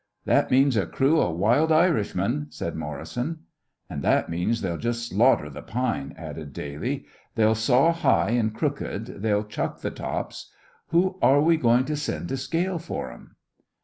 "That means a crew of wild Irishmen," said Morrison. "And that means they'll just slaughter the pine," added Daly. "They'll saw high and crooked, they'll chuck the tops who are we going to send to scale for 'em?"